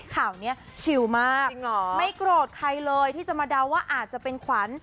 ข่าวนี้ชิลมากไม่โกรธใครเลยที่จะมาเดาว่าอาจจะเป็นขวัญ